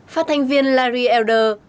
phát thanh viên larry elder